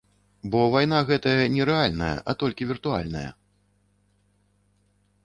Бо вайна гэтая не рэальная, а толькі віртуальная.